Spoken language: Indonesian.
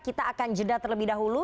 kita akan jeda terlebih dahulu